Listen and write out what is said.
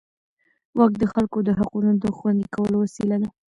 واک د خلکو د حقونو د خوندي کولو وسیله ده.